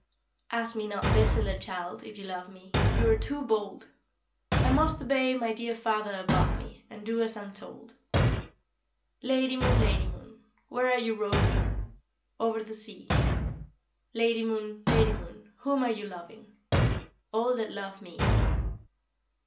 Ask me not this, little child, if you love me; You are too bold; I must obey my dear Father above me, And do as I'm told. Lady Moon, Lady Moon, where are you roving? Over the sea. Lady Moon, Lady Moon, whom are you loving? All that love me.